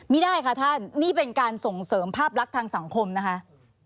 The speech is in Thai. ไม่ได้ค่ะท่านนี่เป็นการส่งเสริมภาพลักษณ์ทางสังคมนะคะ